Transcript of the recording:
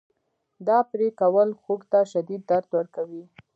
دا پرې کول خوک ته شدید درد ورکوي.